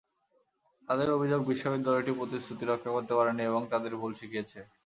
তাঁদের অভিযোগ, বিশ্ববিদ্যালয়টি প্রতিশ্রুতি রক্ষা করতে পারেনি এবং তাঁদের ভুল শিখিয়েছে।